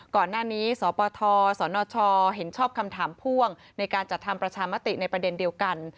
ก่อนหน้านี้สปทสนชเห็นชอบคำถามพ่วงในการจัดทำประชามติในประเด็นเดียวกัน